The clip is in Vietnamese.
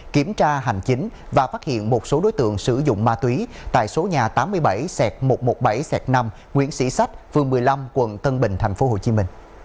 kiểm tra hành chính và phát hiện một số đối tượng sử dụng ma túy tại số nhà tám mươi bảy một trăm một mươi bảy năm nguyễn sĩ sách phường một mươi năm quận tân bình tp hcm